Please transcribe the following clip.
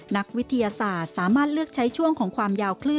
นักวิทยาศาสตร์สามารถเลือกใช้ช่วงของความยาวคลื่น